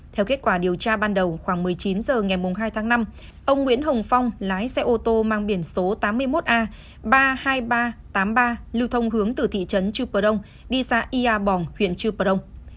theo kết quả điều tra ban đầu khoảng một mươi chín h ngày hai tháng năm ông nguyễn hồng phong lái xe ô tô mang biển số tám mươi một a ba mươi hai nghìn ba trăm tám mươi ba lưu thông hướng từ thị trấn trưu bờ đông đi xa yà bòng huyện trưu bờ đông